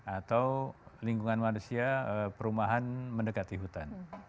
atau lingkungan manusia perumahan mendekati hutan